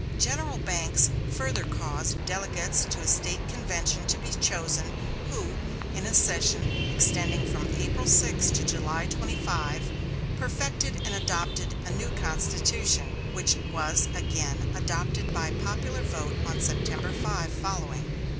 General Banks further caused delegates to a State convention to be chosen, who, in a session extending from April 6 to July 25, perfected and adopted a new constitution, which was again adopted by popular vote on September 5 following.